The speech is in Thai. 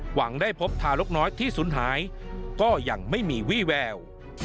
หวังได้พบทารกน้อยที่สูญหายก็ยังไม่มีวี่แวว